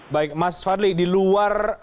baik mas fadli di luar